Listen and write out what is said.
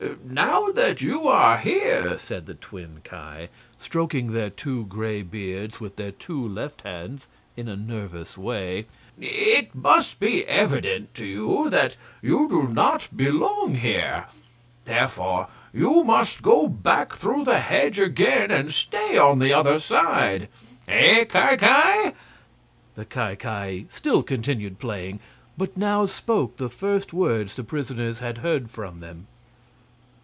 "Now that you are here," said the twin Ki, stroking their two gray beards with their two left hands in a nervous way, "it must be evident to you that you do not belong here. Therefore you must go back through the hedge again and stay on the other side. Eh, Ki Ki?" The Ki Ki still continued playing, but now spoke the first words the prisoners had heard from them.